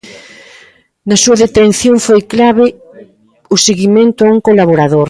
Na súa detención foi clave o seguimento a un colaborador.